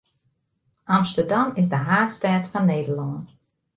Amsterdam is de haadstêd fan Nederlân.